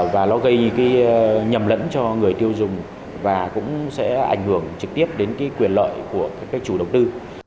và nó gây cái nhầm lẫn cho người tiêu dùng và cũng sẽ ảnh hưởng trực tiếp đến cái quyền lợi của các chủ đầu tư